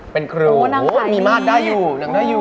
เป็นครูมีมาตรได้อยู่นั่งไขนี่